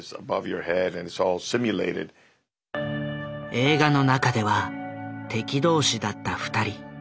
映画の中では敵同士だった２人。